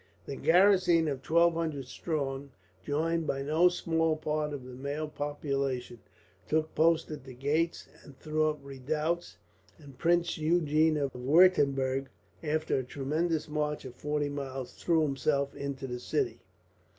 The garrison of twelve hundred strong, joined by no small part of the male population, took post at the gates and threw up redoubts; and Prince Eugene of Wuertemberg, after a tremendous march of forty miles, threw himself into the city.